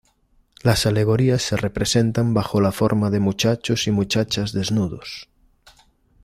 Las alegorías se representan bajo la forma de muchachos y muchachas desnudos.